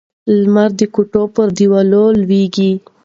لمر د کوټې پر دیوال لوېږي.